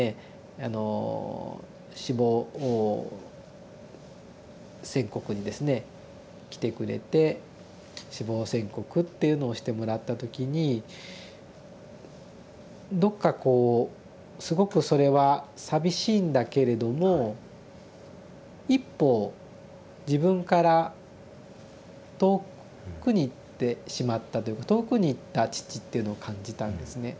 あの死亡宣告にですね来てくれて死亡宣告っていうのをしてもらった時にどっかこうすごくそれは寂しいんだけれども一方自分から遠くに行ってしまったというか遠くに行った父っていうのを感じたんですね。